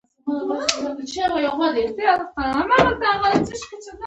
د قیر اصلي منبع خام تیل دي